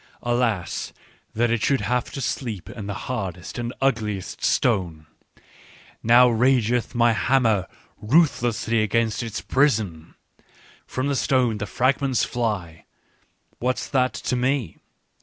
Alas, that it should have to sleep in the hardest and ugliest stone !" Now rageth my hammer ruthlessly against its prison. From the stone the fragments fly : what's that to me